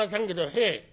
へえ」。